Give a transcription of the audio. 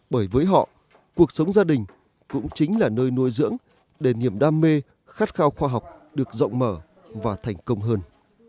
bởi với họ cuộc sống gia đình cũng chính là nơi nuôi dưỡng để niềm đam mê khát khao khoa học được rộng mở và thành công hơn